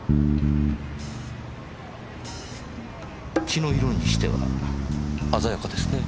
血の色にしては鮮やかですね。